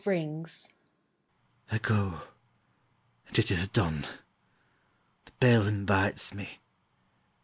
(A bell rings.) I go, and it is done; the bell invites me.